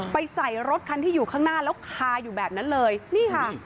ใส่รถคันที่อยู่ข้างหน้าแล้วคาอยู่แบบนั้นเลยนี่ค่ะ